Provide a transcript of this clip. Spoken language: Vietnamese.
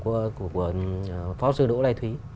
của phó sư đỗ lê thúy